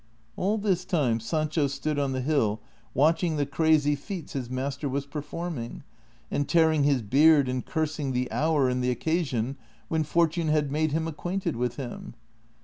All this time Sancho stood on the hill Avatching the crazy feats his master was performing, and tearing his beard and cursing the hour and the occasion when fortune had made him acquainted with him.